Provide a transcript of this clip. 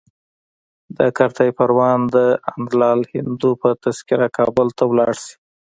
د کارته پروان د انندلال هندو په تذکره کابل ته ولاړ شي.